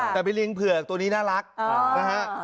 แต้าเป็นลิงไผล่อตัวนี้น่ารักเออ